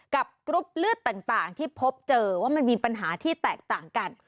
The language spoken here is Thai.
กรุ๊ปเลือดต่างที่พบเจอว่ามันมีปัญหาที่แตกต่างกัน